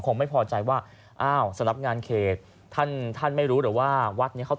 แต่ว่าอาจจะไม่รู้ว่าทางด้านคนที่น้องเรียนจะมีความเคลื่อนไหวต่อไปอย่างไร